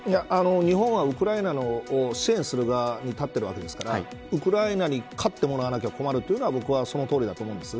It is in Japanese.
日本はウクライナを支援する側に立っているわけですからウクライナに勝ってもらわなきゃ困るというのは僕はそのとおりだと思うんです。